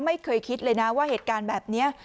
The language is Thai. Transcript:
ไม่เคยคิดเลยนะว่าเหตุการณ์แบบนี้